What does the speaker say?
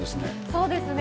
そうですね。